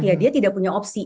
ya dia tidak punya opsi